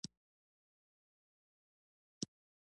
سړی یې له هرې خوا د خوږېدو ویلی شي.